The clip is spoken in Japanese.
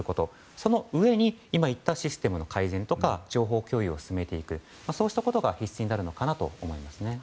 そのうえに、今言ったシステムの改善とか情報共有を進めていくそうしたことが必須になるのかなと思います。